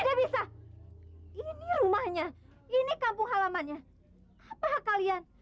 tidak bisa ini rumahnya ini kampung halamannya apa kalian